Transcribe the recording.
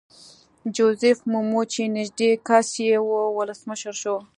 جوزیف مومو چې نږدې کس یې وو ولسمشر شو.